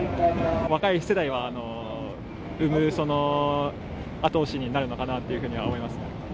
若い世代は産む後押しになるのかなっていうふうには思いますね。